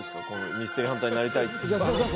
ミステリーハンターになりたいと安田さん